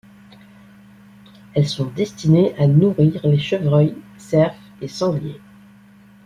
Elles sont destinées à nourrir les chevreuils, cerf et sangliers.